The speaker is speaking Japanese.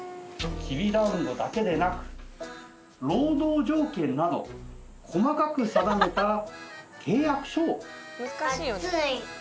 「きびだんごだけでなく労働条件など細かく定めた契約書を」。